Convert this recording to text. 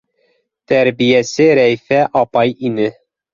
Тәрбиәсе Рәйфә апай ине.